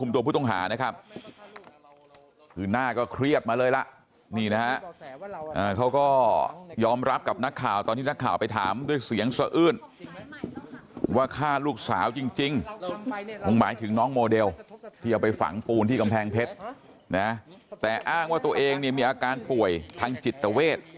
แต่อ้างว่าตัวเองมีอาการป่วยทางจิตเวศ